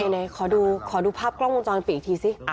เดี๋ยวขอดูภาพกล้องวงจรปิบอีกทีซิ